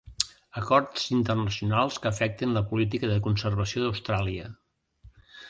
Acords internacionals que afecten la política de conservació d'Austràlia.